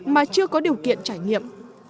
mà chưa có điều kiện trải nghiệm